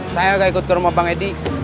saya gak ikut ke rumah bang edi